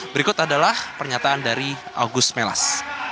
berikut adalah pernyataan dari agus melas